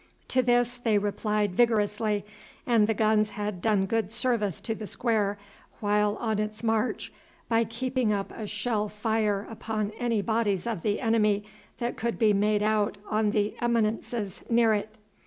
To this they replied vigorously, and the guns had done good service to the square while on its march by keeping up a shell fire upon any bodies of the enemy that could be made out on the eminences near it.